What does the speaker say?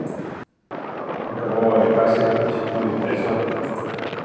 Akabówali pásiri chikúri pesúa.